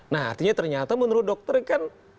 nah artinya ternyata menurut dokter kan